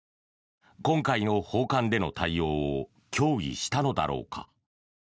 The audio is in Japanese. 今回の訪韓での対応を協議したのだろうか。